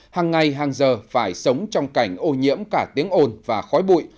hàng ngày hàng giờ phải sống trong cảnh ô nhiễm cả tiếng ồn và khói bụi